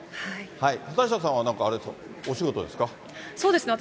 畑下さんは、なんかあれ、お仕事そうですね、私、